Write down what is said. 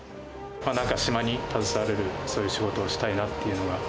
島に携われる、そういう仕事をしたいなというのが。